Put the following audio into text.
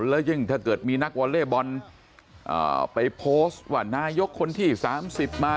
แล้วยิ่งถ้าเกิดมีนักวอเล่บอลไปโพสต์ว่านายกคนที่๓๐มา